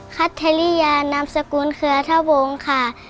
คัทเทรียานามสกุลเครือทะวงค่ะ